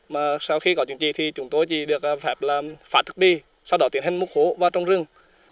mà sau khi có chứng chỉ thì chúng tôi chỉ được phạt thức bi sau đó tiến hành mục hố và trồng rừng